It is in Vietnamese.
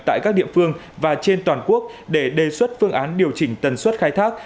tại các địa phương và trên toàn quốc để đề xuất phương án điều chỉnh tần suất khai thác